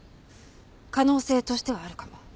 可能性としてはあるかも。